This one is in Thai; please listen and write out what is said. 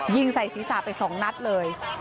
ยิงใส่ศีรษะไป๒นัดเลย